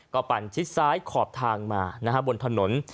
ก็ปั่นชิดซ้ายขอบทางมาบนถนน